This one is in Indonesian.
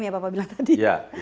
ya pak pak bilang tadi